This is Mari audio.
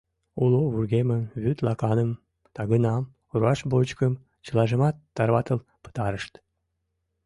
Уло вургемым, вӱд лаканым, тагынам, руашвочкым — чылажымат тарватыл пытарышт.